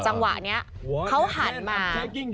จังหวะนี้เขาหันมา